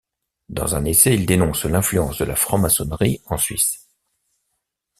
Dans un essai, il dénonce l'influence de la franc-maçonnerie en Suisse.